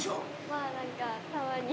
まあ何かたまに。